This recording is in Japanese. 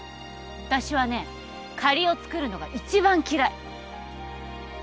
私はね借りをつくるのが一番嫌い